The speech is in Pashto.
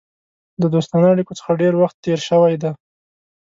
د دوستانه اړېکو څخه ډېر وخت تېر شوی دی.